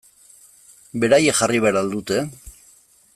Beraiek jarri behar al dute?